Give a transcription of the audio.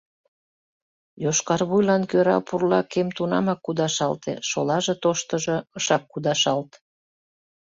Йошкарвуйлан кӧра пурла кем тунамак кудашалте, шолаже, тоштыжо, ышак кудашалт...